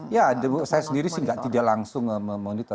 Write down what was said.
ya saya sendiri sih tidak langsung memonitor